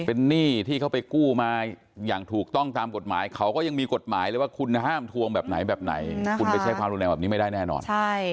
เป็นหนี้ที่เขาไปกู้มาอย่างถูกต้องตามกฎหมายเขาก็ยังมีกฎหมายเลยว่าคุณห้ามทวงแบบไหนแบบไหนคุณไปใช้ความรุนแรงแบบนี้ไม่ได้แน่นอน